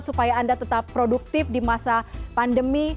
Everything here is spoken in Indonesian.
supaya anda tetap produktif di masa pandemi